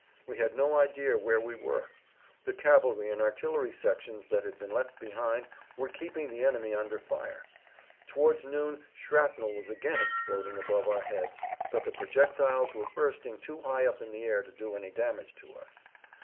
We had no idea where we were. The cavalry and artillery sections that had been left behind were keeping the enemy under fire. Towards noon shrapnel was again exploding above our heads, but the projectiles were bursting too high up in the air to do any damage to us.